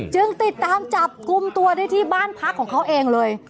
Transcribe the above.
จึงติดตามจับกลุ่มตัวได้ที่บ้านพักของเขาเองเลย